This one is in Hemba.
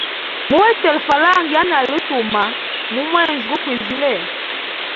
Muhetele falanga yanali utuma mu mwezi gu kwizile.